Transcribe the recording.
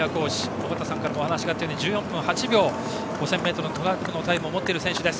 尾方さんからも話があったように１４分８秒という５０００ｍのタイムを持っている選手です。